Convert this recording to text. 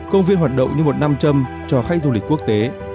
công viên hoạt động như một nam châm cho khách du lịch quốc tế